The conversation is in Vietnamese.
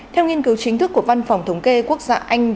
theo nghiên cứu chính thức của văn phòng thống kê quốc gia anh